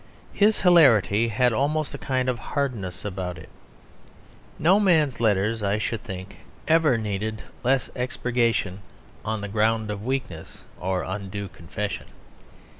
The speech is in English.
His hilarity had almost a kind of hardness about it; no man's letters, I should think, ever needed less expurgation on the ground of weakness or undue confession.